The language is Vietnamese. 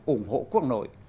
ủng hộ quốc nội